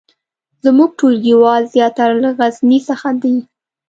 زمونږ ټولګیوال زیاتره له غزني څخه دي